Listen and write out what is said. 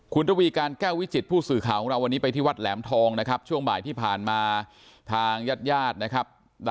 คุณทวีการแก้ววิจิตผู้สื่อข่าวของเราวันนี้ไปที่วัดแหลมทองนะครับ